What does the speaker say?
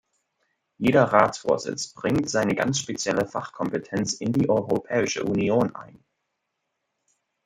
Jeder Ratsvorsitz bringt seine ganz spezielle Fachkompetenz in die Europäische Union ein.